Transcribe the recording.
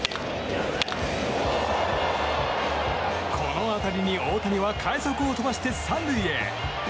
この当たりに大谷は快足を飛ばして３塁へ。